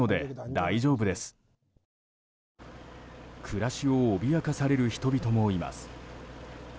暮らしを脅かされる人々もいます。